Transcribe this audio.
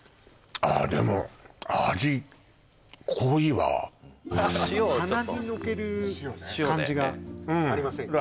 ああでも味濃いわ塩をちょっと鼻に抜ける感じがありませんか？